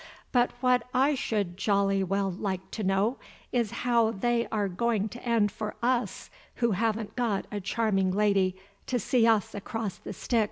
But what I should jolly well like to know is how they are going to end for us who haven't got a charming lady to see us across the Styx."